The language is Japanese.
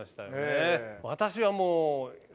私はもう。